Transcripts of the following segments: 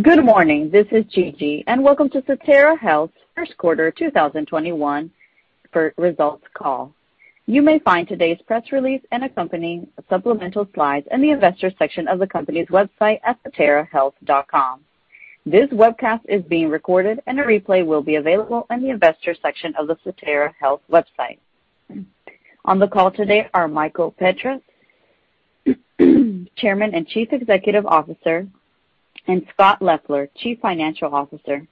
Good morning. This is Gigi, and welcome to Sotera Health first quarter 2021 results call. You may find today's press release and accompanying supplemental slides in the Investors section of the company's website at soterahealth.com. This webcast is being recorded, and a replay will be available in the Investors section of the Sotera Health website. On the call today are Michael Petras, Chairman and Chief Executive Officer, and Scott Leffler, Chief Financial Officer.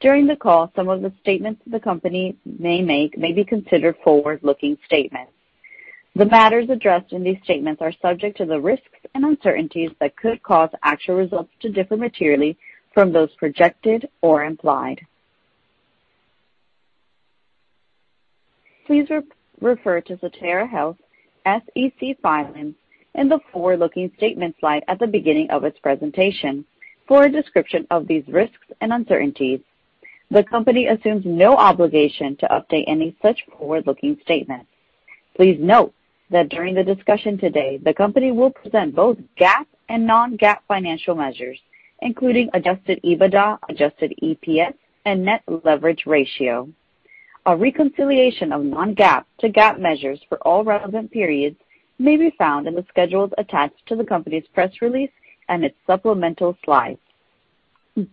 During the call, some of the statements the company may make may be considered forward-looking statements. The matters addressed in these statements are subject to the risks and uncertainties that could cause actual results to differ materially from those projected or implied. Please refer to Sotera Health SEC filings and the forward-looking statements slide at the beginning of its presentation for a description of these risks and uncertainties. The company assumes no obligation to update any such forward-looking statements. Please note that during the discussion today, the company will present both GAAP and non-GAAP financial measures, including adjusted EBITDA, adjusted EPS, and net leverage ratio. A reconciliation of non-GAAP to GAAP measures for all relevant periods may be found in the schedules attached to the company's press release and its supplemental slides.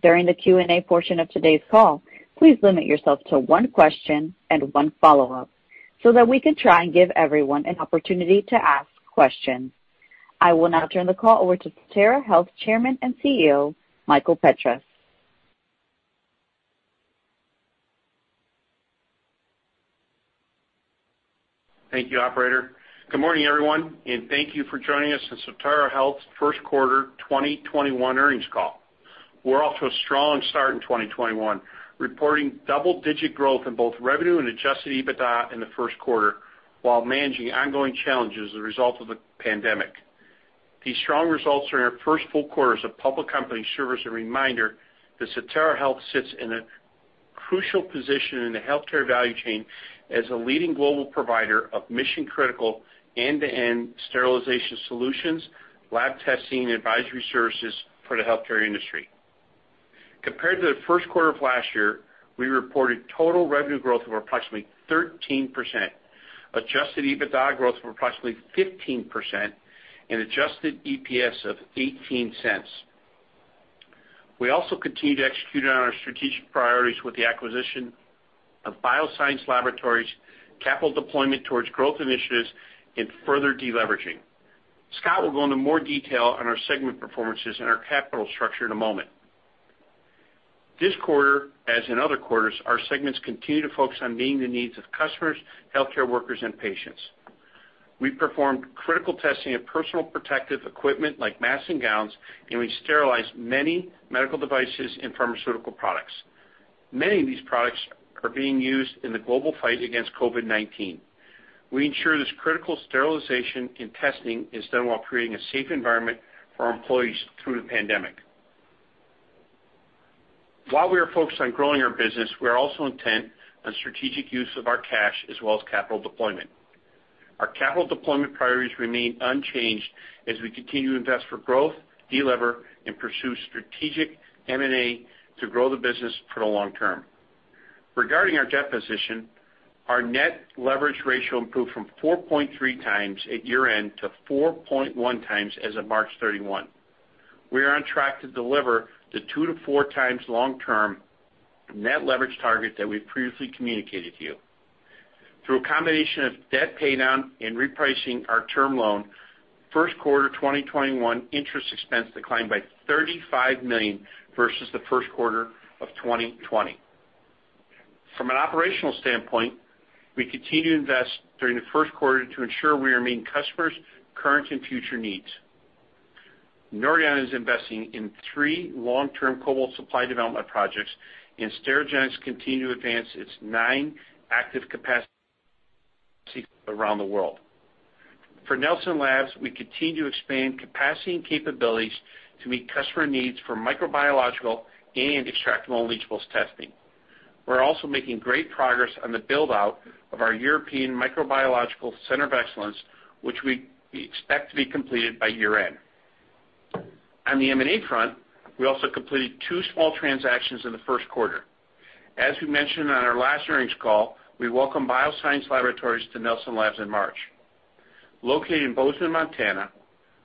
During the Q&A portion of today's call, please limit yourself to one question and one follow-up so that we can try and give everyone an opportunity to ask questions. I will now turn the call over to Sotera Health Chairman and CEO, Michael Petras. Thank you, operator. Good morning, everyone, and thank you for joining us on Sotera Health first quarter 2021 earnings call. We're off to a strong start in 2021, reporting double-digit growth in both revenue and adjusted EBITDA in the first quarter while managing ongoing challenges as a result of the pandemic. These strong results are our first full quarter as a public company, serve as a reminder that Sotera Health sits in a crucial position in the healthcare value chain as a leading global provider of mission-critical end-to-end sterilization solutions, lab testing, and advisory services for the healthcare industry. Compared to the first quarter of last year, we reported total revenue growth of approximately 13%, adjusted EBITDA growth of approximately 15%, and adjusted EPS of $0.18. We also continue to execute on our strategic priorities with the acquisition of BioScience Laboratories, capital deployment towards growth initiatives, and further deleveraging. Scott will go into more detail on our segment performances and our capital structure in a moment. This quarter, as in other quarters, our segments continue to focus on meeting the needs of customers, healthcare workers, and patients. We performed critical testing of personal protective equipment like masks and gowns, and we sterilized many medical devices and pharmaceutical products. Many of these products are being used in the global fight against COVID-19. We ensure this critical sterilization and testing is done while creating a safe environment for our employees through the pandemic. While we are focused on growing our business, we are also intent on strategic use of our cash as well as capital deployment. Our capital deployment priorities remain unchanged as we continue to invest for growth, delever, and pursue strategic M&A to grow the business for the long term. Regarding our debt position, our net leverage ratio improved from 4.3x at year-end to 4.1x as of March 31. We are on track to deliver the two to four times long-term net leverage target that we've previously communicated to you. Through a combination of debt paydown and repricing our term loan, first quarter 2021 interest expense declined by $35 million versus the first quarter of 2020. From an operational standpoint, we continue to invest during the first quarter to ensure we are meeting customers' current and future needs. Nordion is investing in three long-term Cobalt-60 supply development projects, and Sterigenics continue to advance its nine active capacity around the world. For Nelson Labs, we continue to expand capacity and capabilities to meet customer needs for microbiological and extractable and leachables testing. We're also making great progress on the build-out of our European Microbiological Center of Excellence, which we expect to be completed by year-end. On the M&A front, we also completed two small transactions in the first quarter. As we mentioned on our last earnings call, we welcome BioScience Laboratories to Nelson Labs in March. Located in Bozeman, Montana,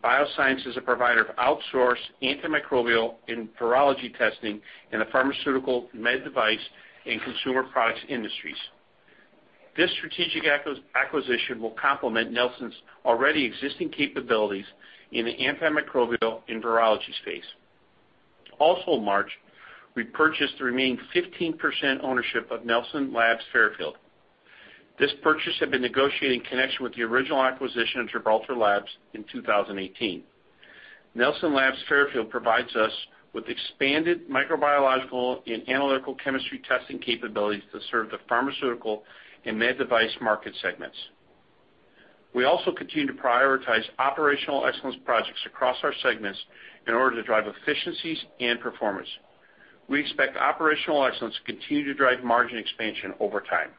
BioScience is a provider of outsourced antimicrobial and virology testing in the pharmaceutical, med device, and consumer products industries. This strategic acquisition will complement Nelson's already existing capabilities in the antimicrobial and virology space. Also in March, we purchased the remaining 15% ownership of Nelson Labs Fairfield. This purchase had been negotiated in connection with the original acquisition of Gibraltar Laboratories in 2018. Nelson Labs Fairfield provides us with expanded microbiological and analytical chemistry testing capabilities to serve the pharmaceutical and med device market segments. We also continue to prioritize operational excellence projects across our segments in order to drive efficiencies and performance. We expect operational excellence to continue to drive margin expansion over time.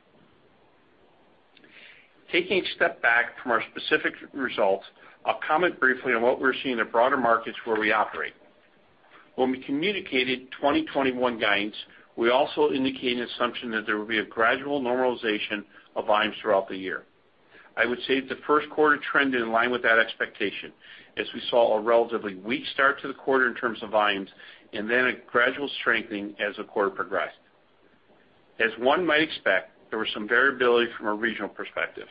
Taking a step back from our specific results, I'll comment briefly on what we're seeing in the broader markets where we operate. When we communicated 2021 guidance, we also indicated assumption that there would be a gradual normalization of volumes throughout the year. I would say the first quarter trend is in line with that expectation, as we saw a relatively weak start to the quarter in terms of volumes, and then a gradual strengthening as the quarter progressed. As one might expect, there was some variability from a regional perspective.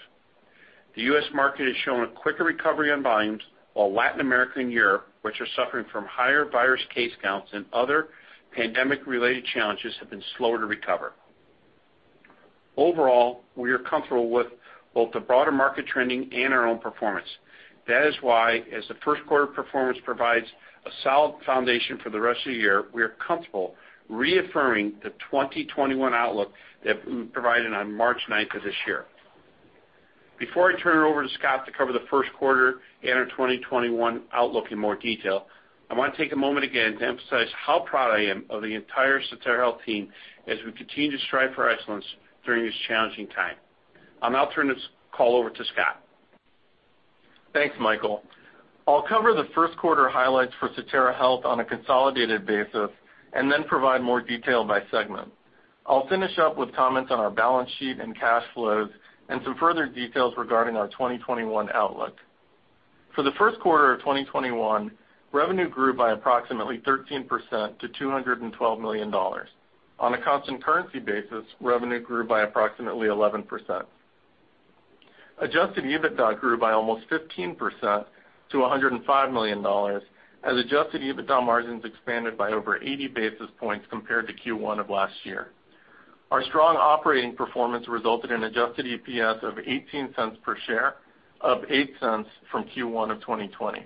The U.S. market has shown a quicker recovery on volumes, while Latin America and Europe, which are suffering from higher virus case counts and other pandemic-related challenges, have been slower to recover. Overall, we are comfortable with both the broader market trending and our own performance. That is why as the first quarter performance provides a solid foundation for the rest of the year, we are comfortable reaffirming the 2021 outlook that we provided on March 9th of this year. Before I turn it over to Scott to cover the first quarter and our 2021 outlook in more detail, I want to take a moment again to emphasize how proud I am of the entire Sotera Health team as we continue to strive for excellence during this challenging time. I'll now turn this call over to Scott. Thanks, Michael. I'll cover the first quarter highlights for Sotera Health on a consolidated basis, and then provide more detail by segment. I'll finish up with comments on our balance sheet and cash flows and some further details regarding our 2021 outlook. For the first quarter of 2021, revenue grew by approximately 13% to $212 million. On a constant currency basis, revenue grew by approximately 11%. Adjusted EBITDA grew by almost 15% to $105 million, as adjusted EBITDA margins expanded by over 80 basis points compared to Q1 of last year. Our strong operating performance resulted in adjusted EPS of $0.18 per share, up $0.08 from Q1 of 2020.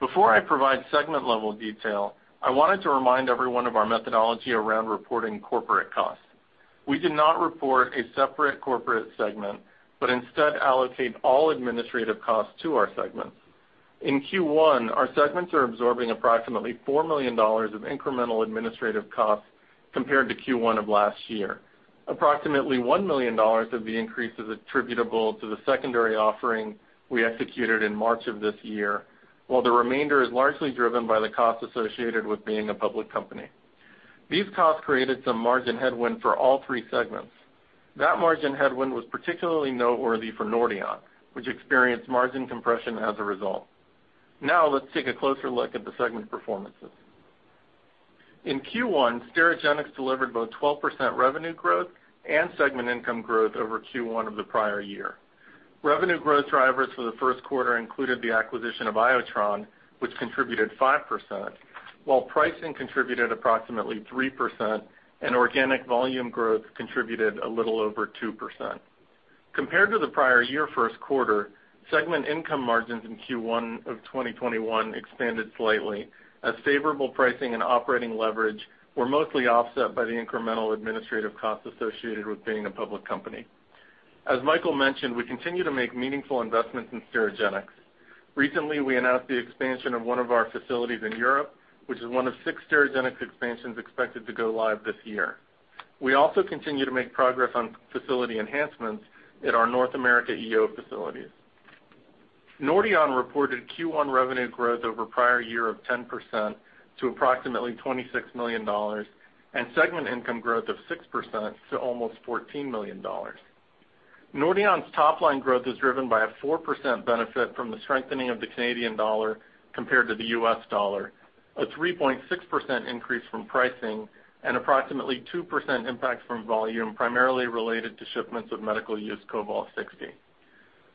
Before I provide segment-level detail, I wanted to remind everyone of our methodology around reporting corporate costs. We do not report a separate corporate segment, but instead allocate all administrative costs to our segments. In Q1, our segments are absorbing approximately $4 million of incremental administrative costs compared to Q1 of last year. Approximately $1 million of the increase is attributable to the secondary offering we executed in March of this year, while the remainder is largely driven by the costs associated with being a public company. These costs created some margin headwind for all three segments. That margin headwind was particularly noteworthy for Nordion, which experienced margin compression as a result. Now, let's take a closer look at the segment performances. In Q1, Sterigenics delivered both 12% revenue growth and segment income growth over Q1 of the prior year. Revenue growth drivers for the first quarter included the acquisition of Iotron, which contributed 5%, while pricing contributed approximately 3% and organic volume growth contributed a little over 2%. Compared to the prior year first quarter, segment income margins in Q1 of 2021 expanded slightly as favorable pricing and operating leverage were mostly offset by the incremental administrative costs associated with being a public company. As Michael mentioned, we continue to make meaningful investments in Sterigenics. Recently, we announced the expansion of one of our facilities in Europe, which is one of six Sterigenics expansions expected to go live this year. We also continue to make progress on facility enhancements at our North America EO facilities. Nordion reported Q1 revenue growth over prior year of 10% to approximately $26 million and segment income growth of 6% to almost $14 million. Nordion's top-line growth is driven by a 4% benefit from the strengthening of the Canadian dollar compared to the US dollar, a 3.6% increase from pricing, and approximately 2% impact from volume, primarily related to shipments of medical use Cobalt-60.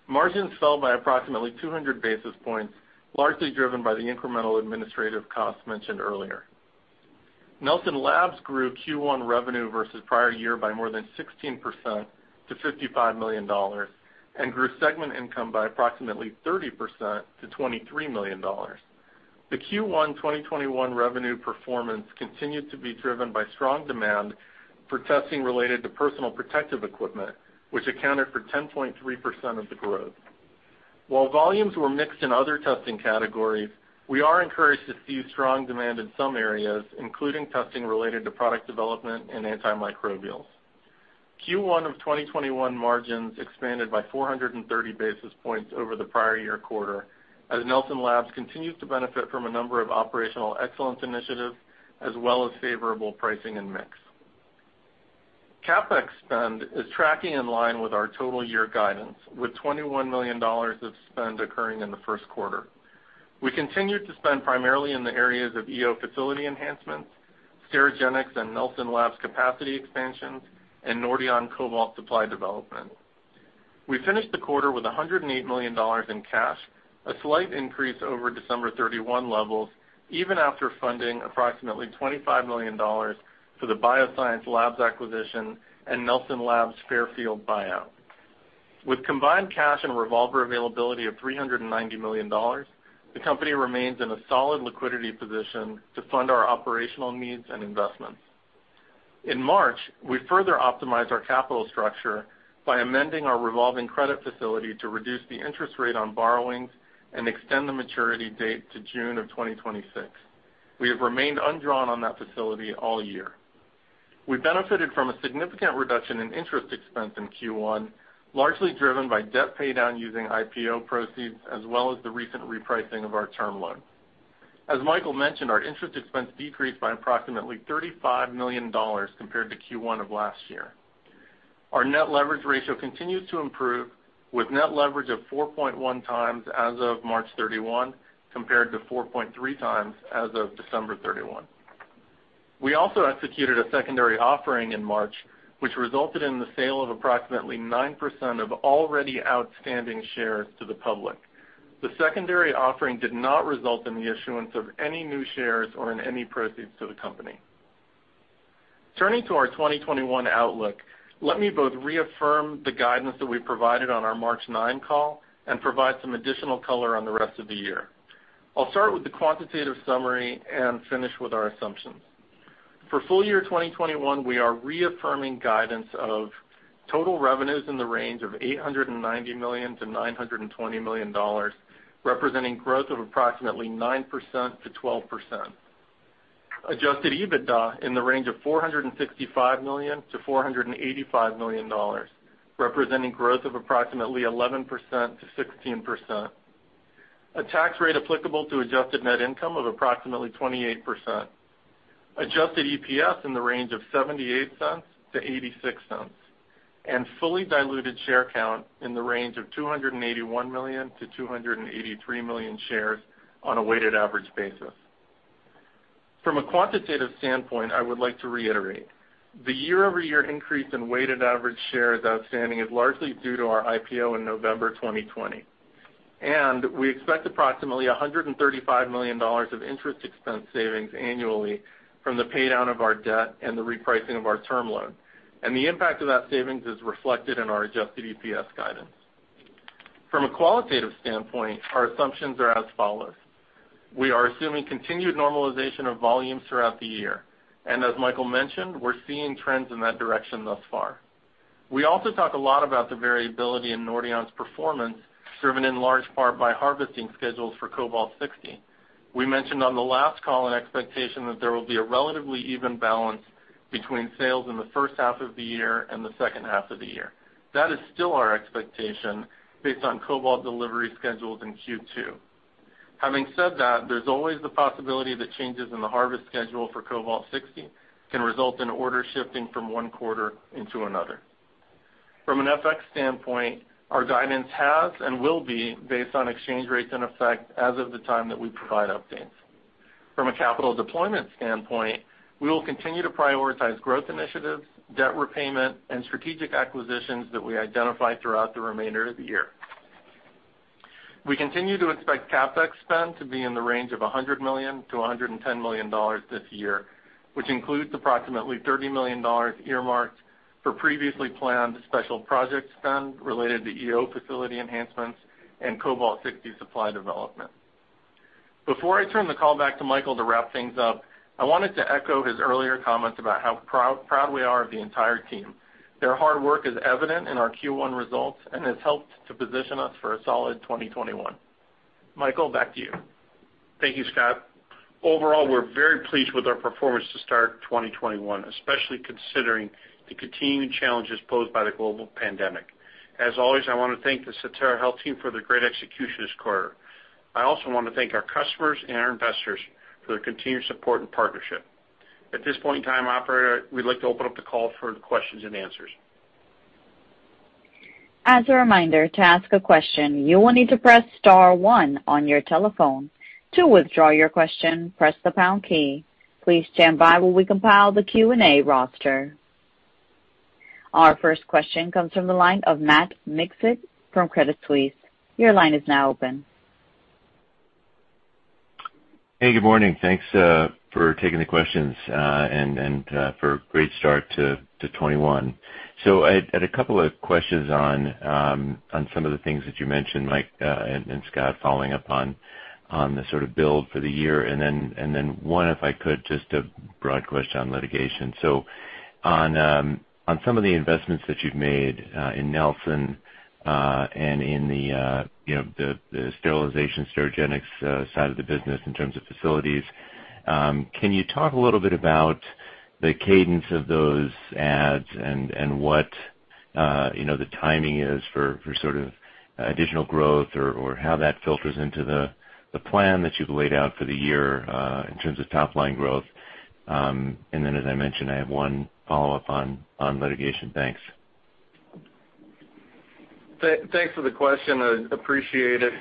Margins fell by approximately 200 basis points, largely driven by the incremental administrative costs mentioned earlier. Nelson Labs grew Q1 revenue versus prior year by more than 16% to $55 million and grew segment income by approximately 30% to $23 million. The Q1 2021 revenue performance continued to be driven by strong demand for testing related to personal protective equipment, which accounted for 10.3% of the growth. While volumes were mixed in other testing categories, we are encouraged to see strong demand in some areas, including testing related to product development and antimicrobials. Q1 of 2021 margins expanded by 430 basis points over the prior year quarter, as Nelson Labs continues to benefit from a number of operational excellence initiatives, as well as favorable pricing and mix. CapEx spend is tracking in line with our total year guidance, with $21 million of spend occurring in the first quarter. We continued to spend primarily in the areas of EO facility enhancements, Sterigenics and Nelson Labs capacity expansions, and Nordion cobalt supply development. We finished the quarter with $108 million in cash, a slight increase over December 31 levels, even after funding approximately $25 million for the BioScience Labs acquisition and Nelson Labs Fairfield buyout. With combined cash and revolver availability of $390 million, the company remains in a solid liquidity position to fund our operational needs and investments. In March, we further optimized our capital structure by amending our revolving credit facility to reduce the interest rate on borrowings and extend the maturity date to June 2026. We have remained undrawn on that facility all year. We benefited from a significant reduction in interest expense in Q1, largely driven by debt paydown using IPO proceeds, as well as the recent repricing of our term loan. As Michael mentioned, our interest expense decreased by approximately $35 million compared to Q1 of last year. Our net leverage ratio continues to improve, with net leverage of 4.1x as of March 31, compared to 4.3x as of December 31. We also executed a secondary offering in March, which resulted in the sale of approximately 9% of already outstanding shares to the public. The secondary offering did not result in the issuance of any new shares or in any proceeds to the company. Turning to our 2021 outlook, let me both reaffirm the guidance that we provided on our March 9 call and provide some additional color on the rest of the year. I'll start with the quantitative summary and finish with our assumptions. For full year 2021, we are reaffirming guidance of total revenues in the range of $890 million-$920 million, representing growth of approximately 9%-12%. Adjusted EBITDA in the range of $465 million-$485 million, representing growth of approximately 11%-16%. A tax rate applicable to adjusted net income of approximately 28%. Adjusted EPS in the range of $0.78-$0.86. Fully diluted share count in the range of 281 million-283 million shares on a weighted average basis. From a quantitative standpoint, I would like to reiterate, the year-over-year increase in weighted average shares outstanding is largely due to our IPO in November 2020. We expect approximately $135 million of interest expense savings annually from the paydown of our debt and the repricing of our term loan. The impact of that savings is reflected in our adjusted EPS guidance. From a qualitative standpoint, our assumptions are as follows: We are assuming continued normalization of volumes throughout the year. As Michael mentioned, we're seeing trends in that direction thus far. We also talk a lot about the variability in Nordion's performance, driven in large part by harvesting schedules for Cobalt-60. We mentioned on the last call an expectation that there will be a relatively even balance between sales in the first half of the year and the second half of the year. That is still our expectation based on Cobalt delivery schedules in Q2. Having said that, there's always the possibility that changes in the harvest schedule for Cobalt-60 can result in orders shifting from one quarter into another. From an FX standpoint, our guidance has and will be based on exchange rates in effect as of the time that we provide updates. From a capital deployment standpoint, we will continue to prioritize growth initiatives, debt repayment, and strategic acquisitions that we identify throughout the remainder of the year. We continue to expect CapEx spend to be in the range of $100 million-$110 million this year, which includes approximately $30 million earmarked for previously planned special project spend related to EO facility enhancements and Cobalt-60 supply development. Before I turn the call back to Michael to wrap things up, I wanted to echo his earlier comments about how proud we are of the entire team. Their hard work is evident in our Q1 results and has helped to position us for a solid 2021. Michael, back to you. Thank you, Scott. Overall, we're very pleased with our performance to start 2021, especially considering the continuing challenges posed by the global pandemic. As always, I want to thank the Sotera Health team for their great execution this quarter. I also want to thank our customers and our investors for their continued support and partnership. At this point in time, operator, we'd like to open up the call for the questions and answers. As a reminder, to ask a question, you will need to press star one on your telephone. To withdraw your question, press the pound key. Please stand by while we compile the Q&A roster. Our first question comes from the line of Matt Miksic from Credit Suisse. Your line is now open. Hey, good morning. Thanks for taking the questions and for a great start to 2021. I had a couple of questions on some of the things that you mentioned, Michael and Scott, following up on the sort of build for the year, and then one, if I could, just a broad question on litigation. On some of the investments that you've made, in Nelson Labs, and in the sterilization, Sterigenics side of the business in terms of facilities, can you talk a little bit about the cadence of those adds and what the timing is for sort of additional growth or how that filters into the plan that you've laid out for the year, in terms of top-line growth? As I mentioned, I have one follow-up on litigation. Thanks. Thanks for the question. I appreciate it.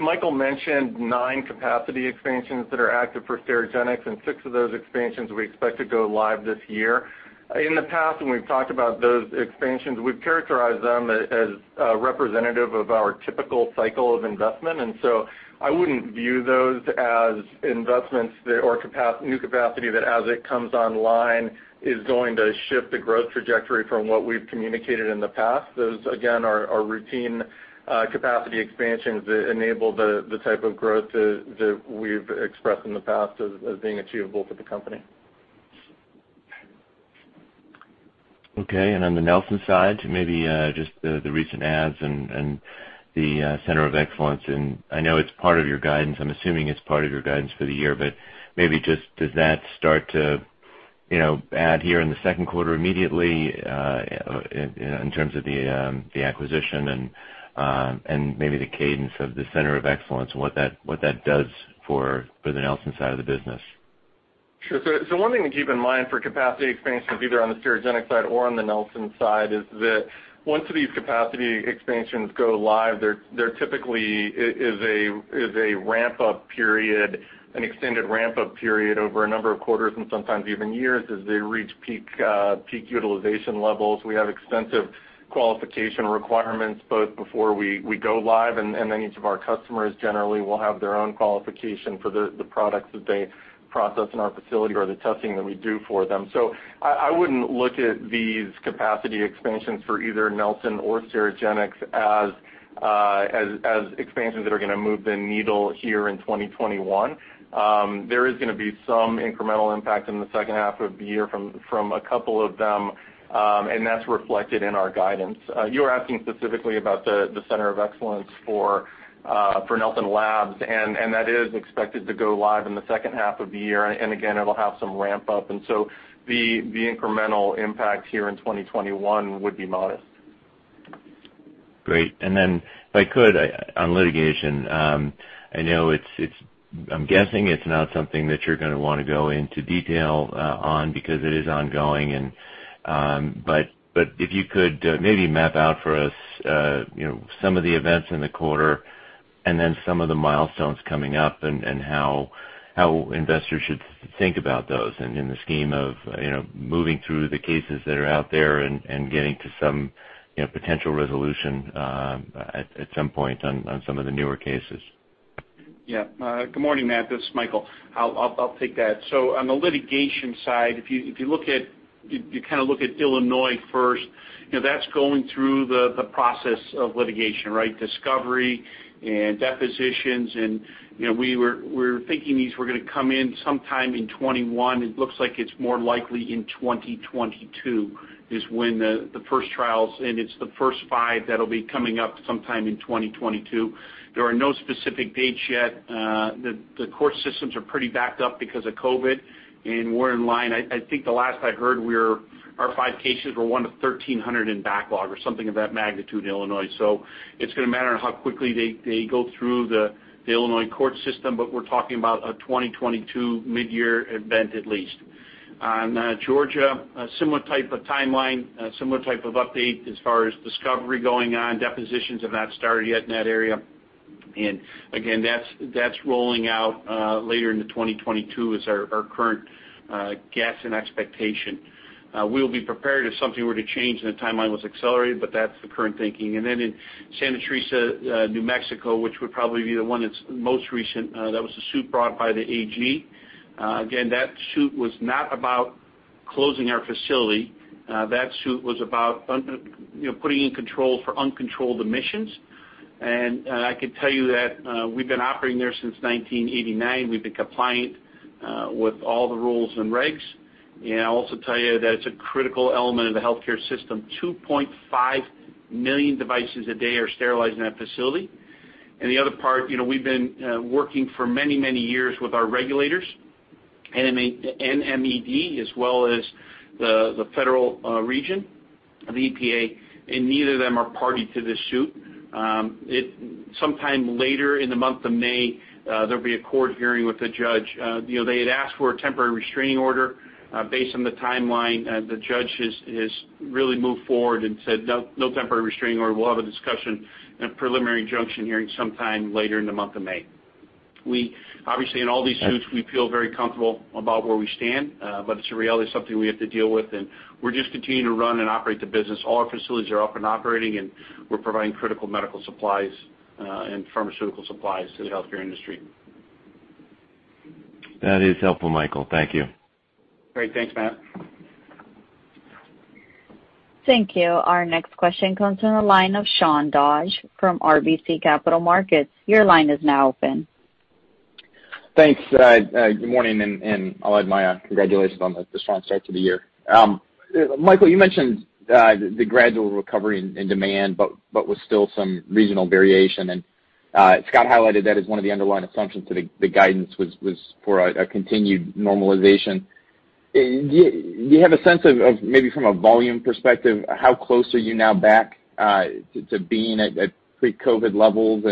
Michael mentioned nine capacity expansions that are active for Sterigenics, and six of those expansions we expect to go live this year. In the past, when we've talked about those expansions, we've characterized them as representative of our typical cycle of investment. I wouldn't view those as investments or new capacity that as it comes online, is going to shift the growth trajectory from what we've communicated in the past. Those, again, are routine capacity expansions that enable the type of growth that we've expressed in the past as being achievable for the company. Okay. On the Nelson side, maybe just the recent adds and the Center of Excellence. I know it's part of your guidance, I'm assuming it's part of your guidance for the year, but maybe just does that start to add here in the second quarter immediately, in terms of the acquisition and maybe the cadence of the Center of Excellence and what that does for the Nelson side of the business? Sure. One thing to keep in mind for capacity expansions, either on the Sterigenics side or on the Nelson side, is that once these capacity expansions go live, there typically is an extended ramp-up period over a number of quarters and sometimes even years as they reach peak utilization levels. We have extensive qualification requirements both before we go live, and then each of our customers generally will have their own qualification for the products that they process in our facility or the testing that we do for them. I wouldn't look at these capacity expansions for either Nelson or Sterigenics as expansions that are going to move the needle here in 2021. There is going to be some incremental impact in the second half of the year from a couple of them, and that's reflected in our guidance. You were asking specifically about the Center of Excellence for Nelson Labs, and that is expected to go live in the second half of the year, and again, it'll have some ramp-up, and so the incremental impact here in 2021 would be modest. Great. If I could, on litigation, I'm guessing it's not something that you're going to want to go into detail on because it is ongoing. If you could maybe map out for us some of the events in the quarter and then some of the milestones coming up and how investors should think about those and in the scheme of moving through the cases that are out there and getting to some potential resolution at some point on some of the newer cases. Good morning, Matt. This is Michael. I'll take that. On the litigation side, if you look at Illinois first, that's going through the process of litigation, right? Discovery and depositions, we were thinking these were going to come in sometime in 2021. It looks like it's more likely in 2022 is when the first trial is, and it's the first five that'll be coming up sometime in 2022. There are no specific dates yet. The court systems are pretty backed up because of COVID, and we're in line. I think the last I heard, our five cases were one of 1,300 in backlog or something of that magnitude in Illinois. It's going to matter on how quickly they go through the Illinois court system, but we're talking about a 2022 midyear event at least. Georgia, a similar type of timeline, a similar type of update as far as discovery going on. Depositions have not started yet in that area. Again, that's rolling out later into 2022 is our current guess and expectation. We'll be prepared if something were to change and the timeline was accelerated, that's the current thinking. Then in Santa Teresa, New Mexico, which would probably be the one that's most recent, that was the suit brought by the AG. Again, that suit was not about closing our facility. That suit was about putting in control for uncontrolled emissions. I could tell you that we've been operating there since 1989. We've been compliant with all the rules and regs, I'll also tell you that it's a critical element of the healthcare system. 2.5 million devices a day are sterilized in that facility. The other part, we've been working for many, many years with our regulators, NMED, as well as the federal region of the EPA, and neither of them are party to this suit. Sometime later in the month of May, there'll be a court hearing with the judge. They had asked for a temporary restraining order. Based on the timeline, the judge has really moved forward and said, "No temporary restraining order. We'll have a discussion and preliminary injunction hearing sometime later in the month of May." Obviously, in all these suits, we feel very comfortable about where we stand, but it's really something we have to deal with, and we're just continuing to run and operate the business. All our facilities are up and operating, and we're providing critical medical supplies and pharmaceutical supplies to the healthcare industry. That is helpful, Michael. Thank you. Great. Thanks, Matt. Thank you. Our next question comes from the line of Sean Dodge from RBC Capital Markets. Your line is now open. Thanks. Good morning, I'll add my congratulations on the strong start to the year. Michael, you mentioned the gradual recovery in demand, but with still some regional variation, and Scott highlighted that as one of the underlying assumptions to the guidance was for a continued normalization. Do you have a sense of, maybe from a volume perspective, how close are you now back to being at pre-COVID levels?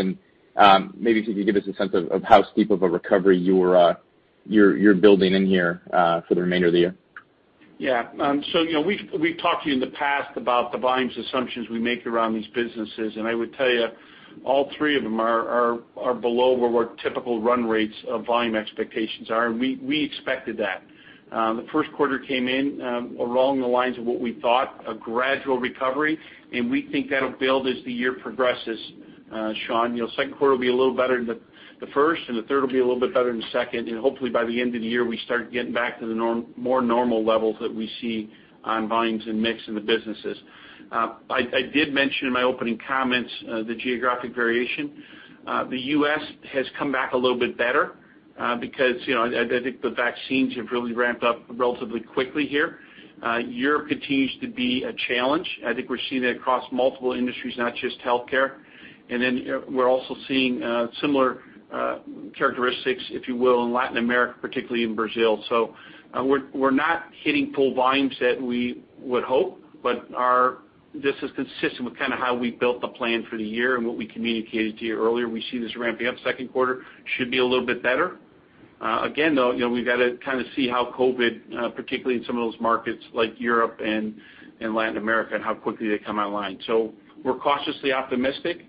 Maybe if you could give us a sense of how steep of a recovery you're building in here for the remainder of the year. Yeah. We've talked to you in the past about the volumes assumptions we make around these businesses, and I would tell you all three of them are below where our typical run rates of volume expectations are, and we expected that. The first quarter came in along the lines of what we thought, a gradual recovery, and we think that'll build as the year progresses, Sean. Second quarter will be a little better than the first, and the third will be a little bit better than the second, and hopefully by the end of the year, we start getting back to the more normal levels that we see on volumes and mix in the businesses. I did mention in my opening comments the geographic variation. The U.S. has come back a little bit better because I think the vaccines have really ramped up relatively quickly here. Europe continues to be a challenge. I think we're seeing it across multiple industries, not just healthcare. We're also seeing similar characteristics, if you will, in Latin America, particularly in Brazil. We're not hitting full volumes that we would hope, but this is consistent with how we built the plan for the year and what we communicated to you earlier. We see this ramping up second quarter, should be a little bit better. Again, though, we've got to see how COVID, particularly in some of those markets like Europe and Latin America, and how quickly they come online. We're cautiously optimistic,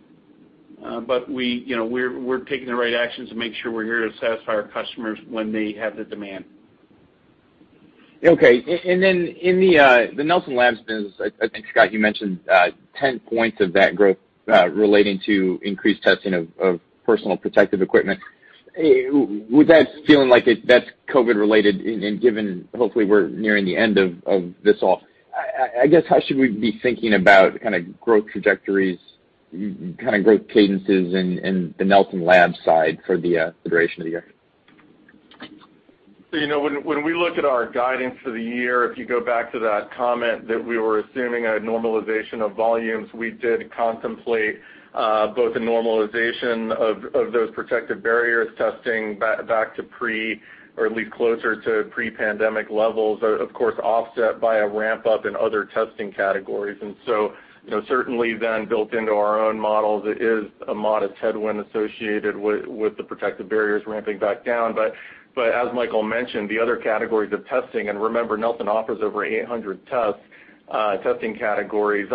but we're taking the right actions to make sure we're here to satisfy our customers when they have the demand. Okay. In the Nelson Labs business, I think, Scott, you mentioned 10 points of that growth relating to increased testing of personal protective equipment. With that feeling like that's COVID related and given hopefully we're nearing the end of this all, I guess, how should we be thinking about kind of growth trajectories, kind of growth cadences in the Nelson Labs side for the duration of the year? When we look at our guidance for the year, if you go back to that comment that we were assuming a normalization of volumes, we did contemplate both a normalization of those protective barriers testing back to pre, or at least closer to pre-pandemic levels, of course, offset by a ramp-up in other testing categories. Certainly then built into our own models is a modest headwind associated with the protective barriers ramping back down. As Michael mentioned, the other categories of testing, and remember, Nelson offers over 800 testing categories,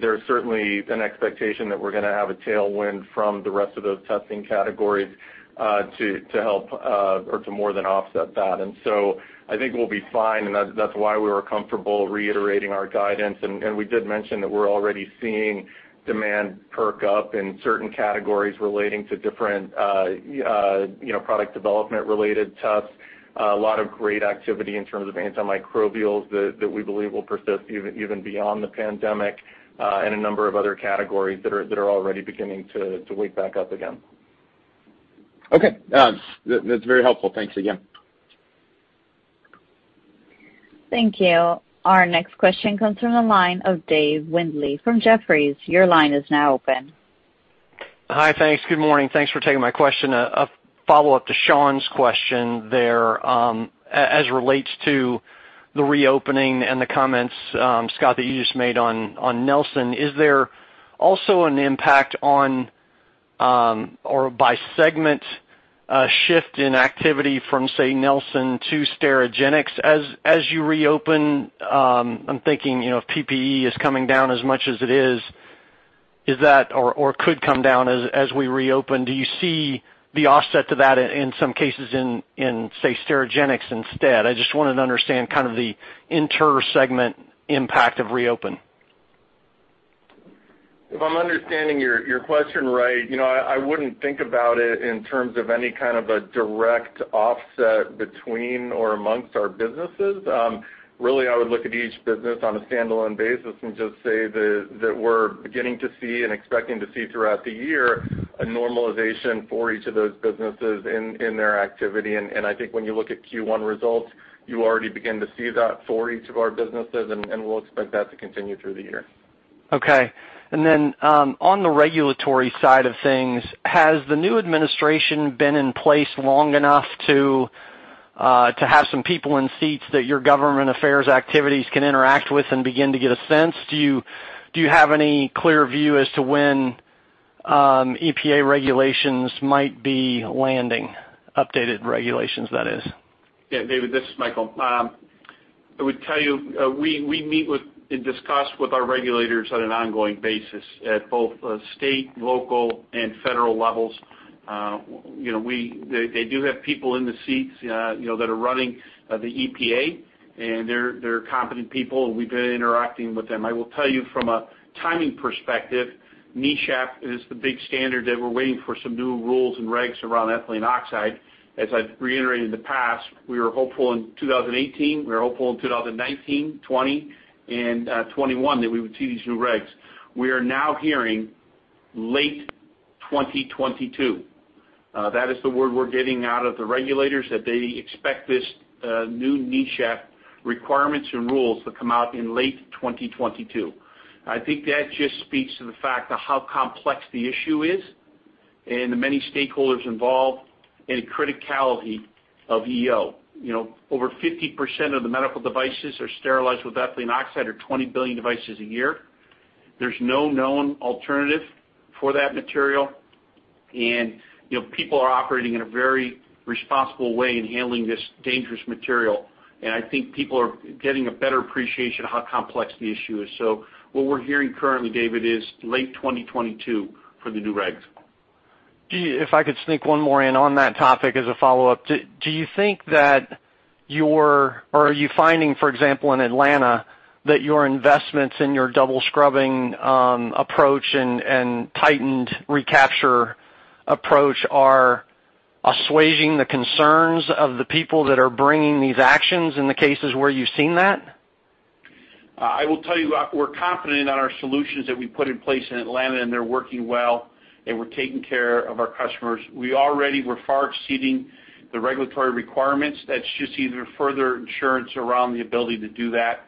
there's certainly an expectation that we're going to have a tailwind from the rest of those testing categories to more than offset that. I think we'll be fine, and that's why we were comfortable reiterating our guidance. We did mention that we're already seeing demand perk up in certain categories relating to different product development related tests. A lot of great activity in terms of antimicrobials that we believe will persist even beyond the pandemic, and a number of other categories that are already beginning to wake back up again. Okay. That's very helpful. Thanks again. Thank you. Our next question comes from the line of Dave Windley from Jefferies. Your line is now open. Hi, thanks. Good morning. Thanks for taking my question. A follow-up to Sean's question there as relates to the reopening and the comments, Scott, that you just made on Nelson. Is there also an impact on, or by segment, a shift in activity from, say, Nelson to Sterigenics as you reopen? I'm thinking, if PPE is coming down as much as it is, or could come down as we reopen, do you see the offset to that in some cases in, say, Sterigenics instead? I just wanted to understand kind of the inter-segment impact of reopen. If I'm understanding your question right, I wouldn't think about it in terms of any kind of a direct offset between or amongst our businesses. Really, I would look at each business on a standalone basis and just say that we're beginning to see and expecting to see throughout the year a normalization for each of those businesses in their activity. I think when you look at Q1 results, you already begin to see that for each of our businesses, and we'll expect that to continue through the year. Okay. On the regulatory side of things, has the new administration been in place long enough to have some people in seats that your government affairs activities can interact with and begin to get a sense? Do you have any clear view as to when EPA regulations might be landing? Updated regulations, that is. Yeah, David, this is Michael. I would tell you, we meet with and discuss with our regulators on an ongoing basis at both state, local, and federal levels. They do have people in the seats that are running the EPA, and they're competent people, and we've been interacting with them. I will tell you from a timing perspective, NESHAP is the big standard that we're waiting for some new rules and regs around ethylene oxide. As I've reiterated in the past, we were hopeful in 2018, we were hopeful in 2019, 2020, and 2021 that we would see these new regs. We are now hearing late 2022. That is the word we're getting out of the regulators, that they expect this new NESHAP requirements and rules to come out in late 2022. I think that just speaks to the fact of how complex the issue is and the many stakeholders involved and criticality of ethylene oxide. Over 50% of the medical devices are sterilized with ethylene oxide, or 20 billion devices a year. There's no known alternative for that material. And people are operating in a very responsible way in handling this dangerous material, and I think people are getting a better appreciation of how complex the issue is. What we're hearing currently, David, is late 2022 for the new regs. If I could sneak one more in on that topic as a follow-up. Do you think that or are you finding, for example, in Atlanta, that your investments in your double scrubbing approach and tightened recapture approach are assuaging the concerns of the people that are bringing these actions in the cases where you've seen that? I will tell you, we're confident in our solutions that we put in place in Atlanta, and they're working well, and we're taking care of our customers. We already were far exceeding the regulatory requirements. That's just either further insurance around the ability to do that.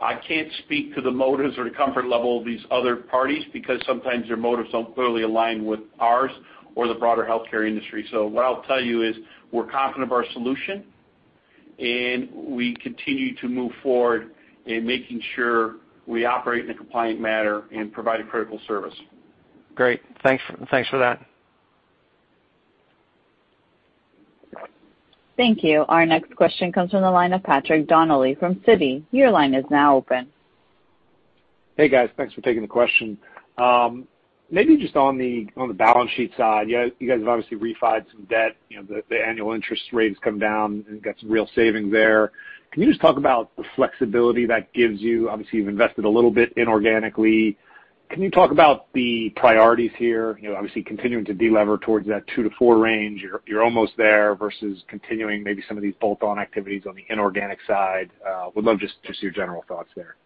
I can't speak to the motives or the comfort level of these other parties, because sometimes their motives don't clearly align with ours or the broader healthcare industry. What I'll tell you is we're confident of our solution, and we continue to move forward in making sure we operate in a compliant manner and provide a critical service. Great. Thanks for that. Thank you. Our next question comes from the line of Patrick Donnelly from Citi. Your line is now open. Hey, guys. Thanks for taking the question. Just on the balance sheet side, you guys have obviously refinanced some debt. The annual interest rate has come down and got some real savings there. Can you just talk about the flexibility that gives you? Obviously, you've invested a little bit inorganically. Can you talk about the priorities here? Obviously continuing to de-lever towards that two to four range. You're almost there versus continuing maybe some of these bolt-on activities on the inorganic side. Would love just your general thoughts there.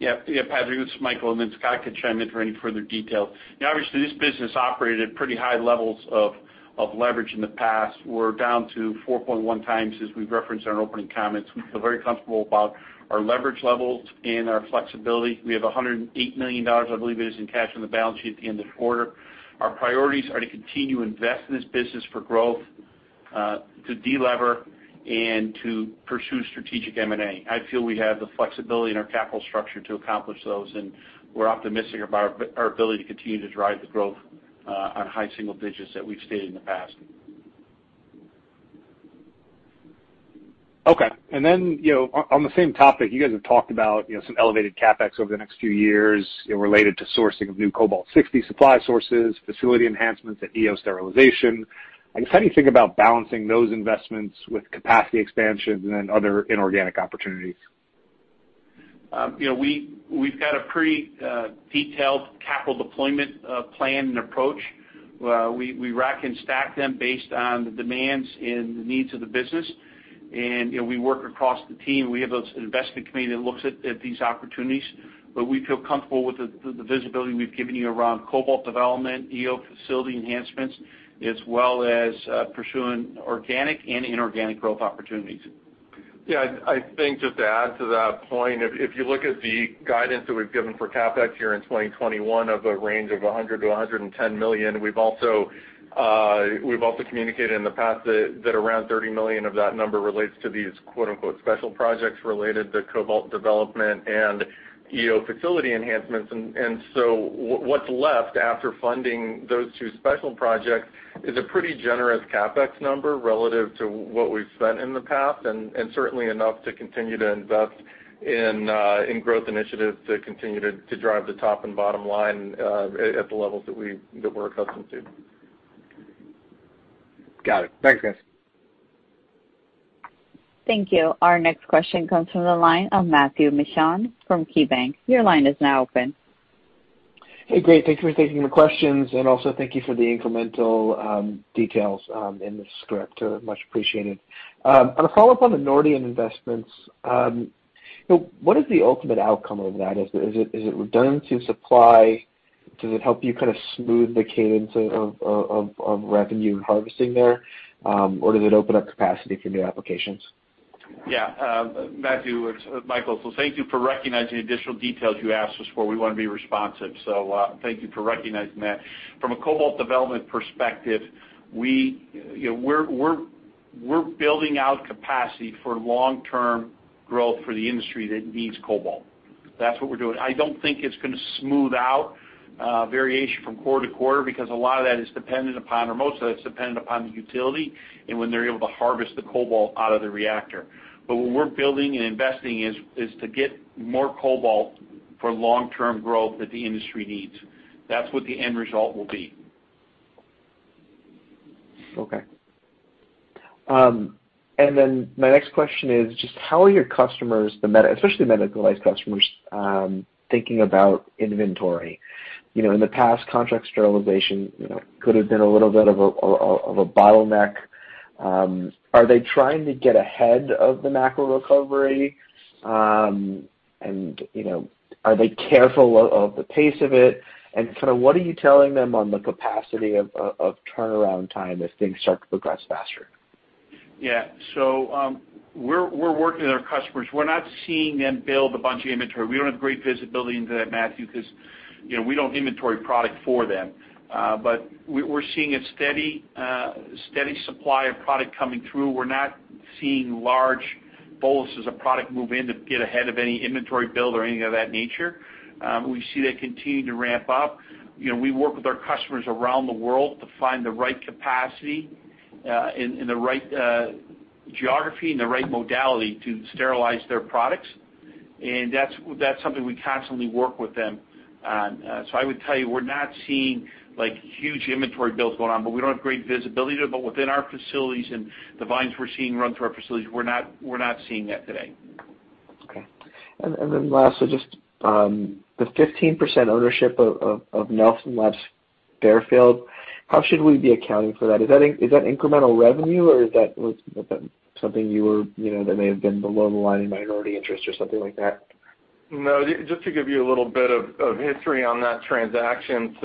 Patrick Donnelly, this is Michael Petras, and then Scott can chime in for any further detail. Obviously, this business operated at pretty high levels of leverage in the past. We're down to 4.1x, as we've referenced in our opening comments. We feel very comfortable about our leverage levels and our flexibility. We have $108 million, I believe it is, in cash on the balance sheet at the end of the quarter. Our priorities are to continue to invest in this business for growth, to de-lever, and to pursue strategic M&A. I feel we have the flexibility in our capital structure to accomplish those, and we're optimistic about our ability to continue to drive the growth on high single digits that we've stated in the past. Okay. On the same topic, you guys have talked about some elevated CapEx over the next few years related to sourcing of new Cobalt-60 supply sources, facility enhancements at EO Sterilization. How do you think about balancing those investments with capacity expansion and other inorganic opportunities? We've got a pretty detailed capital deployment plan and approach. We rack and stack them based on the demands and the needs of the business. We work across the team. We have an investment committee that looks at these opportunities, but we feel comfortable with the visibility we've given you around Cobalt development, EO facility enhancements, as well as pursuing organic and inorganic growth opportunities. Yeah, I think just to add to that point, if you look at the guidance that we've given for CapEx here in 2021 of a range of $100 million-$110 million, we've also communicated in the past that around $30 million of that number relates to these "special projects" related to Cobalt development and EO facility enhancements. What's left after funding those two special projects is a pretty generous CapEx number relative to what we've spent in the past, and certainly enough to continue to invest in growth initiatives to continue to drive the top and bottom line at the levels that we're accustomed to. Got it. Thanks, guys. Thank you. Our next question comes from the line of Matthew Michon from KeyBanc. Hey, great. Thank you for taking the questions, and also thank you for the incremental details in the script. Much appreciated. On a follow-up on the Nordion investments, what is the ultimate outcome of that? Is it redundancy of supply? Does it help you kind of smooth the cadence of revenue and harvesting there? Does it open up capacity for new applications? Yeah. Matthew, it's Michael. Thank you for recognizing the additional details you asked us for. We want to be responsive, so thank you for recognizing that. From a Cobalt development perspective, we're building out capacity for long-term growth for the industry that needs Cobalt. That's what we're doing. I don't think it's going to smooth out variation from quarter to quarter because a lot of that is dependent upon, or most of that's dependent upon the utility and when they're able to harvest the Cobalt out of the reactor. What we're building and investing is to get more Cobalt for long-term growth that the industry needs. That's what the end result will be. Okay. My next question is just how are your customers, especially medicalized customers, thinking about inventory? In the past, contract sterilization could have been a little bit of a bottleneck. Are they trying to get ahead of the macro recovery? Are they careful of the pace of it? What are you telling them on the capacity of turnaround time as things start to progress faster? Yeah. We're working with our customers. We're not seeing them build a bunch of inventory. We don't have great visibility into that, Matthew, because we don't inventory product for them. We're seeing a steady supply of product coming through. We're not seeing large boluses of product move in to get ahead of any inventory build or anything of that nature. We see that continue to ramp up. We work with our customers around the world to find the right capacity in the right geography and the right modality to sterilize their products. That's something we constantly work with them on. I would tell you, we're not seeing huge inventory builds going on, but we don't have great visibility there. Within our facilities and the volumes we're seeing run through our facilities, we're not seeing that today. Okay. Lastly, just the 15% ownership of Nelson Labs. Fairfield, how should we be accounting for that? Is that incremental revenue or is that something that may have been below the line in minority interest or something like that? Just to give you a little bit of history on that transaction.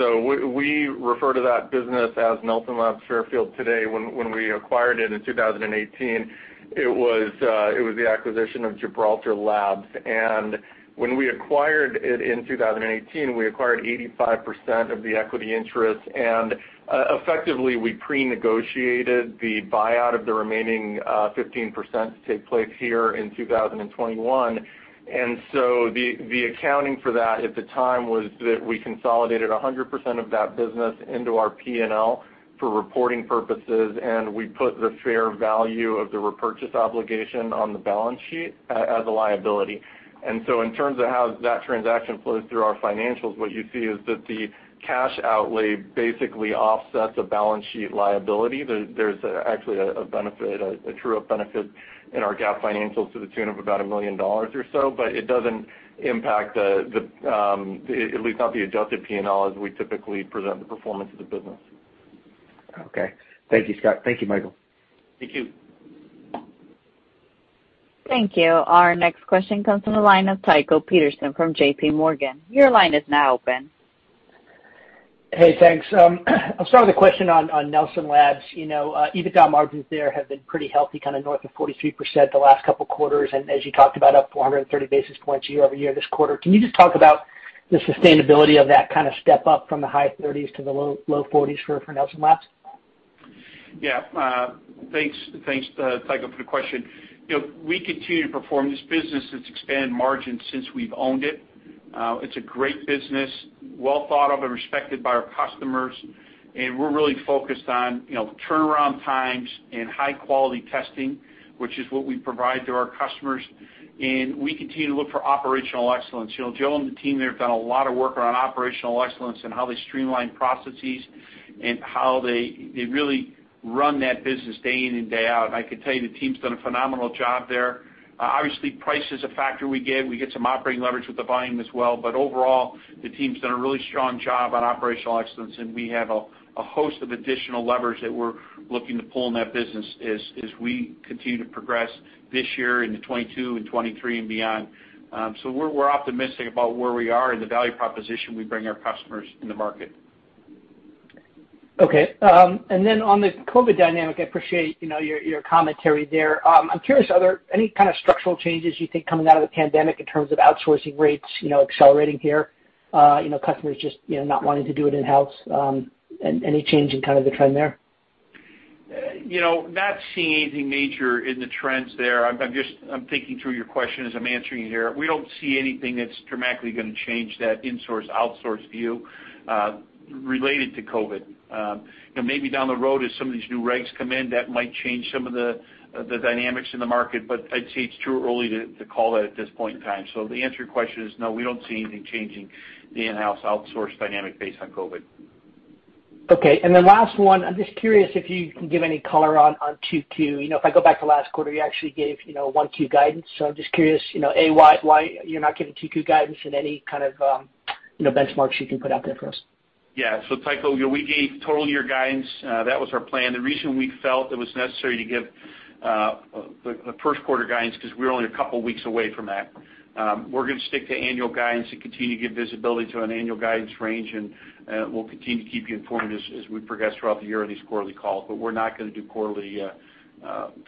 We refer to that business as Nelson Labs Fairfield today. When we acquired it in 2018, it was the acquisition of Gibraltar Laboratories. When we acquired it in 2018, we acquired 85% of the equity interest, and effectively we pre-negotiated the buyout of the remaining 15% to take place here in 2021. The accounting for that at the time was that we consolidated 100% of that business into our P&L for reporting purposes, and we put the fair value of the repurchase obligation on the balance sheet as a liability. In terms of how that transaction flows through our financials, what you see is that the cash outlay basically offsets a balance sheet liability. There's actually a true up benefit in our GAAP financials to the tune of about $1 million or so. It doesn't impact, at least not the adjusted P&L, as we typically present the performance of the business. Okay. Thank you, Scott. Thank you, Michael. Thank you. Thank you. Our next question comes from the line of Tycho Peterson from JPMorgan. Your line is now open. Hey, thanks. I'll start with a question on Nelson Labs. EBITDA margins there have been pretty healthy, kind of north of 43% the last couple of quarters, and as you talked about, up 130 basis points year-over-year this quarter. Can you just talk about the sustainability of that kind of step up from the high 30s to the low 40s for Nelson Labs? Yeah. Thanks, Tycho, for the question. We continue to perform this business. It's expanded margins since we've owned it. It's a great business, well thought of and respected by our customers, and we're really focused on turnaround times and high-quality testing, which is what we provide to our customers. We continue to look for operational excellence. Jill and the team there have done a lot of work around operational excellence and how they streamline processes and how they really run that business day in and day out. I could tell you the team's done a phenomenal job there. Obviously, price is a factor we give. We get some operating leverage with the volume as well. Overall, the team's done a really strong job on operational excellence, and we have a host of additional levers that we're looking to pull in that business as we continue to progress this year into 2022 and 2023 and beyond. We're optimistic about where we are and the value proposition we bring our customers in the market. Okay. On the COVID dynamic, I appreciate your commentary there. I'm curious, are there any kind of structural changes you think coming out of the pandemic in terms of outsourcing rates accelerating here, customers just not wanting to do it in-house? Any change in the trend there? Not seeing anything major in the trends there. I'm thinking through your question as I'm answering you here. We don't see anything that's dramatically going to change that insource, outsource view related to COVID. Maybe down the road as some of these new regs come in, that might change some of the dynamics in the market, I'd say it's too early to call that at this point in time. The answer to your question is no, we don't see anything changing the in-house outsource dynamic based on COVID. Okay. Last one, I'm just curious if you can give any color on 2Q. If I go back to last quarter, you actually gave 1Q guidance. I'm just curious, A, why you're not giving 2Q guidance and any kind of benchmarks you can put out there for us? Yeah. Tycho, we gave total year guidance. That was our plan. The reason we felt it was necessary to give the first quarter guidance, because we're only a couple of weeks away from that. We're going to stick to annual guidance and continue to give visibility to an annual guidance range, and we'll continue to keep you informed as we progress throughout the year on these quarterly calls. We're not going to do quarterly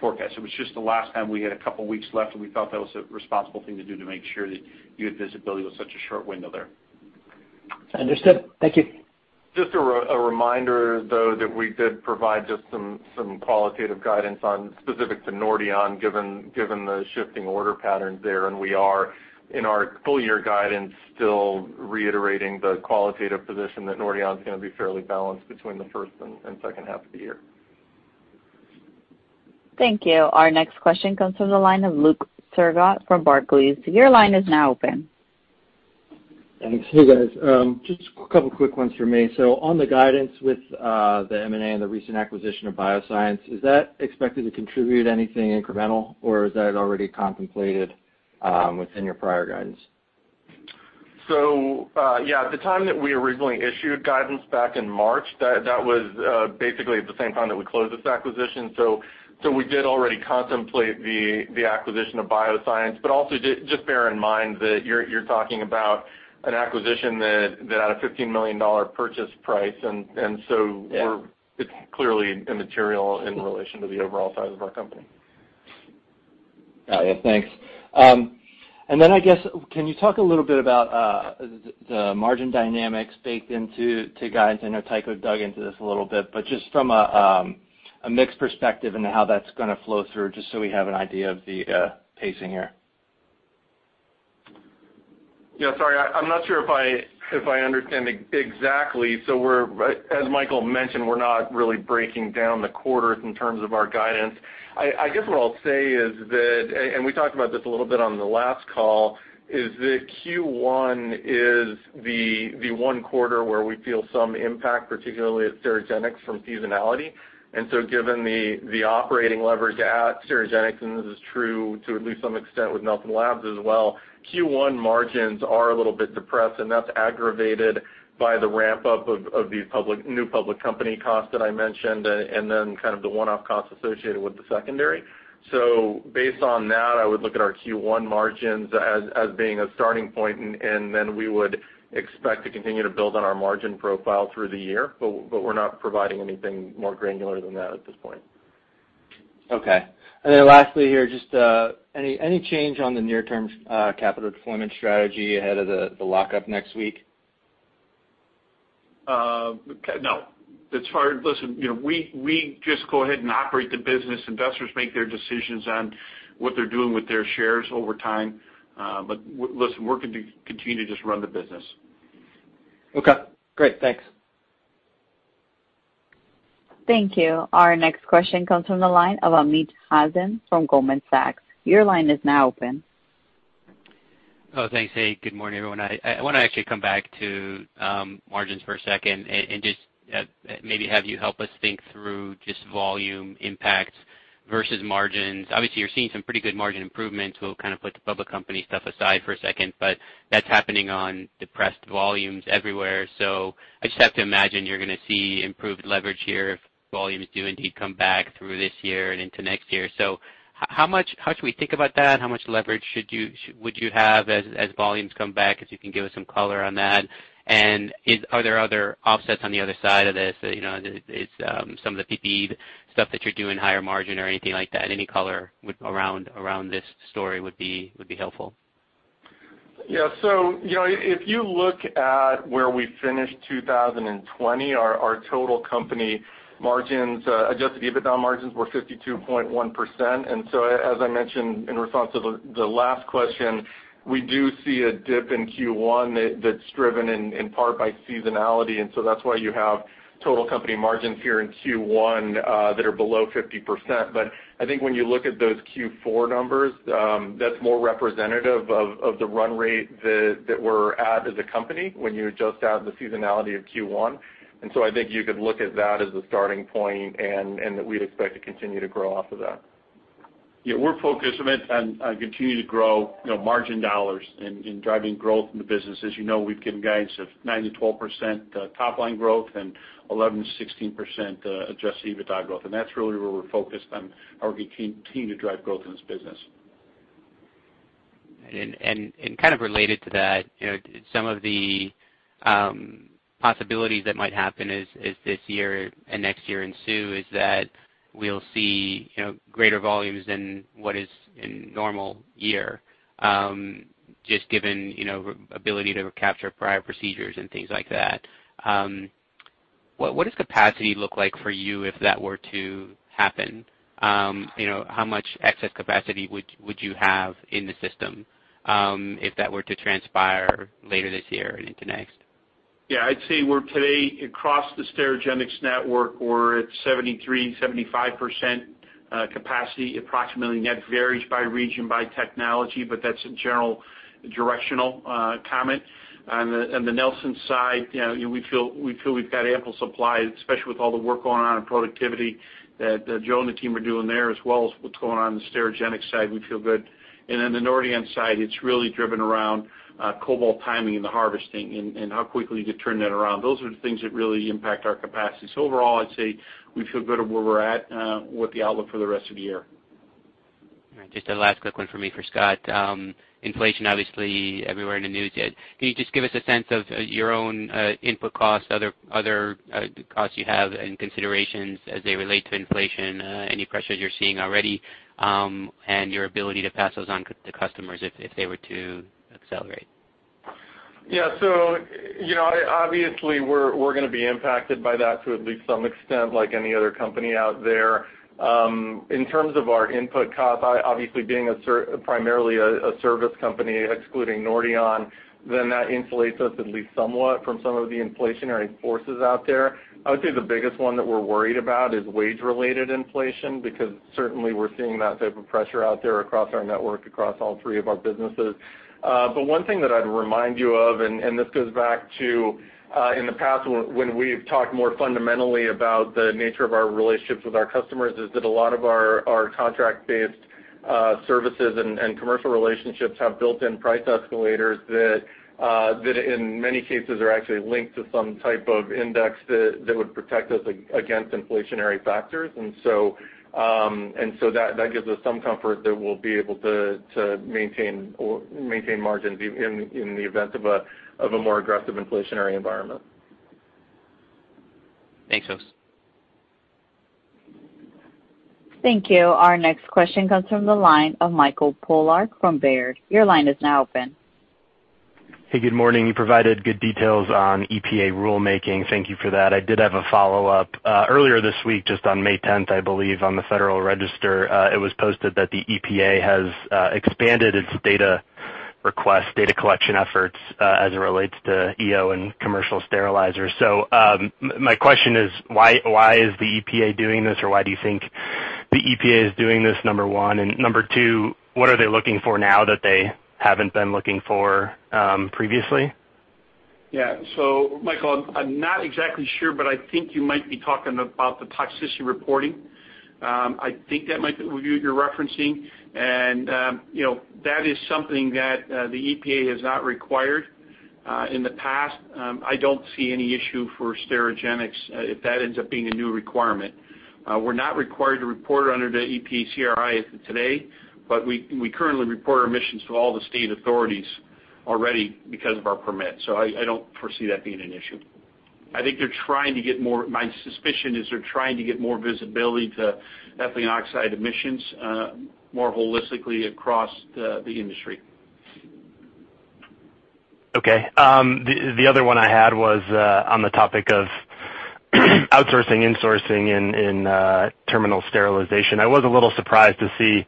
forecasts. It was just the last time we had a couple of weeks left, and we felt that was a responsible thing to do to make sure that you had visibility with such a short window there. Understood. Thank you. Just a reminder, though, that we did provide just some qualitative guidance on specific to Nordion, given the shifting order patterns there, and we are in our full year guidance, still reiterating the qualitative position that Nordion is going to be fairly balanced between the first and second half of the year. Thank you. Our next question comes from the line of Luke Sergott from Barclays. Your line is now open. Thanks. Hey, guys. Just a couple quick ones for me. On the guidance with the M&A and the recent acquisition of BioScience, is that expected to contribute anything incremental, or is that already contemplated within your prior guidance? At the time that we originally issued guidance back in March, that was basically at the same time that we closed this acquisition. We did already contemplate the acquisition of BioScience, but also just bear in mind that you're talking about an acquisition that had a $15 million purchase price, it's clearly immaterial in relation to the overall size of our company. Got it. Thanks. I guess, can you talk a little bit about the margin dynamics baked into guidance? I know Tycho dug into this a little bit, just from a mixed perspective and how that's going to flow through, just so we have an idea of the pacing here. Yeah, sorry, I'm not sure if I understand exactly. As Michael mentioned, we're not really breaking down the quarters in terms of our guidance. I guess what I'll say is that, and we talked about this a little bit on the last call, is that Q1 is the one quarter where we feel some impact, particularly at Sterigenics from seasonality. Given the operating leverage at Sterigenics, and this is true to at least some extent with Nelson Labs as well, Q1 margins are a little bit depressed, and that's aggravated by the ramp-up of these new public company costs that I mentioned, and then the one-off costs associated with the secondary. Based on that, I would look at our Q1 margins as being a starting point, and then we would expect to continue to build on our margin profile through the year. We're not providing anything more granular than that at this point. Okay. Then lastly here, just any change on the near-term capital deployment strategy ahead of the lockup next week? No. Listen, we just go ahead and operate the business. Investors make their decisions on what they're doing with their shares over time. Listen, we're going to continue to just run the business. Okay, great. Thanks. Thank you. Our next question comes from the line of Amit Hazan from Goldman Sachs. Your line is now open. Oh, thanks. Hey, good morning, everyone. I want to actually come back to margins for a second and just maybe have you help us think through just volume impacts versus margins. Obviously, you're seeing some pretty good margin improvements. We'll kind of put the public company stuff aside for a second, but that's happening on depressed volumes everywhere. I just have to imagine you're going to see improved leverage here if volumes do indeed come back through this year and into next year. How should we think about that? How much leverage would you have as volumes come back? If you can give us some color on that, and are there other offsets on the other side of this? Is some of the PPE stuff that you're doing higher margin or anything like that? Any color around this story would be helpful. Yeah. If you look at where we finished 2020, our total company margins, adjusted EBITDA margins, were 52.1%. As I mentioned in response to the last question, we do see a dip in Q1 that's driven in part by seasonality, and so that's why you have total company margins here in Q1 that are below 50%. I think when you look at those Q4 numbers, that's more representative of the run rate that we're at as a company when you adjust out the seasonality of Q1. I think you could look at that as a starting point, and that we'd expect to continue to grow off of that. We're focused on continuing to grow margin dollars and driving growth in the business. As you know, we've given guidance of 9%-12% top-line growth and 11%-16% adjusted EBITDA growth. That's really where we're focused on how we continue to drive growth in this business. Kind of related to that, some of the possibilities that might happen as this year and next year ensue is that we'll see greater volumes than what is in normal year, just given ability to capture prior procedures and things like that. What does capacity look like for you if that were to happen? How much excess capacity would you have in the system, if that were to transpire later this year and into next? Yeah, I'd say we're today across the Sterigenics network, we're at 73%-75% capacity, approximately. Net varies by region, by technology, but that's a general directional comment. On the Nelson side, we feel we've got ample supply, especially with all the work going on in productivity that Joe and the team are doing there, as well as what's going on in the Sterigenics side, we feel good. The Nordion side, it's really driven around cobalt timing and the harvesting and how quickly you can turn that around. Those are the things that really impact our capacity. Overall, I'd say we feel good at where we're at with the outlook for the rest of the year. Just a last quick one from me for Scott. Inflation, obviously everywhere in the news. Can you just give us a sense of your own input costs, other costs you have, and considerations as they relate to inflation, any pressures you're seeing already, and your ability to pass those on to customers if they were to accelerate? Yeah. Obviously, we're going to be impacted by that to at least some extent, like any other company out there. In terms of our input cost, obviously being primarily a service company, excluding Nordion, then that insulates us at least somewhat from some of the inflationary forces out there. I would say the biggest one that we're worried about is wage-related inflation, because certainly we're seeing that type of pressure out there across our network, across all three of our businesses. One thing that I'd remind you of, and this goes back to in the past when we've talked more fundamentally about the nature of our relationships with our customers, is that a lot of our contract-based services and commercial relationships have built-in price escalators that in many cases are actually linked to some type of index that would protect us against inflationary factors. That gives us some comfort that we'll be able to maintain margins in the event of a more aggressive inflationary environment. Thanks, folks. Thank you. Our next question comes from the line of Michael Polark from Baird. Your line is now open. Hey, good morning. You provided good details on EPA rulemaking. Thank you for that. I did have a follow-up. Earlier this week, just on May 10th, I believe, on the Federal Register, it was posted that the EPA has expanded its data request, data collection efforts, as it relates to EO and commercial sterilizers. My question is, why is the EPA doing this, or why do you think the EPA is doing this, number one? Number two, what are they looking for now that they haven't been looking for previously? Yeah. Michael, I'm not exactly sure, but I think you might be talking about the toxicity reporting. I think that might be what you're referencing. That is something that the EPA has not required in the past. I don't see any issue for Sterigenics if that ends up being a new requirement. We're not required to report under the EPCRA as of today, but we currently report our emissions to all the state authorities already because of our permit. I don't foresee that being an issue. My suspicion is they're trying to get more visibility to ethylene oxide emissions, more holistically across the industry. Okay. The other one I had was on the topic of outsourcing, insourcing in terminal sterilization. I was a little surprised to see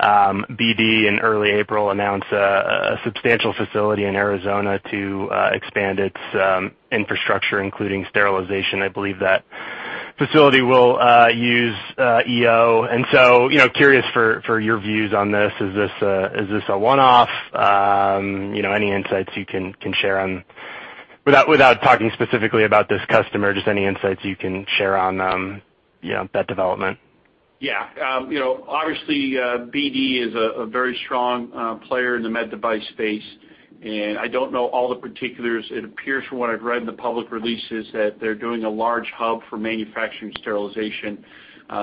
BD in early April announce a substantial facility in Arizona to expand its infrastructure, including sterilization. I believe that facility will use EO. Curious for your views on this. Is this a one-off? Any insights you can share, without talking specifically about this customer, just any insights you can share on that development? Yeah. Obviously, BD is a very strong player in the med device space. I don't know all the particulars. It appears from what I've read in the public releases that they're doing a large hub for manufacturing sterilization.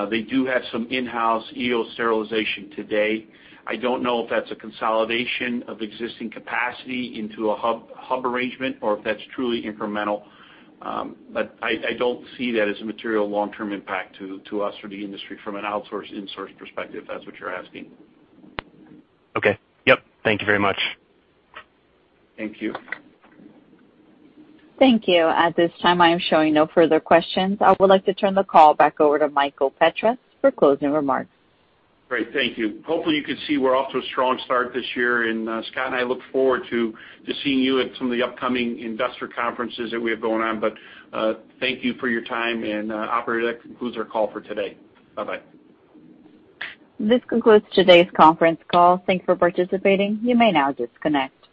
They do have some in-house EO sterilization today. I don't know if that's a consolidation of existing capacity into a hub arrangement or if that's truly incremental. I don't see that as a material long-term impact to us or the industry from an outsource, insource perspective, if that's what you're asking. Okay. Yep. Thank you very much. Thank you. Thank you. At this time, I am showing no further questions. I would like to turn the call back over to Michael Petras for closing remarks. Great. Thank you. Hopefully, you can see we're off to a strong start this year, and Scott and I look forward to seeing you at some of the upcoming investor conferences that we have going on. Thank you for your time, and operator, that concludes our call for today. Bye-bye. This concludes today's conference call. Thank you for participating. You may now disconnect.